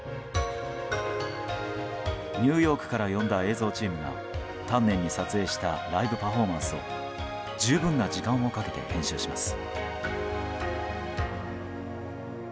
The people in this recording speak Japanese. ニューヨークから呼んだ映像チームが丹念に撮影したライブパフォーマンスを十分な時間をかけて編集します。